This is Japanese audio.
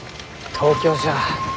東京じゃ。